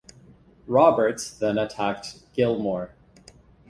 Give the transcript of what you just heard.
Roberts then attacked Gillmore.